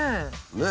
ねえ。